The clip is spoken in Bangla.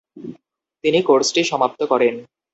তিনি কোর্সটি সমাপ্ত করেন।